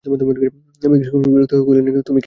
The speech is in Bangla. বিক্রমসিংহ বিরক্ত হইয়া কহিলেন, তুমি কে?